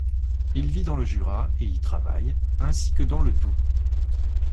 Il vit dans le Jura et y travaille ainsi que dans le Doubs.